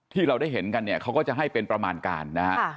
ที่เราได้เห็นกันเนี่ยเขาก็จะให้เป็นประมาณการนะฮะ